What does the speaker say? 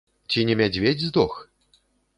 Ці не мядзведзь здох?